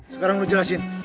sekarang lu jelasin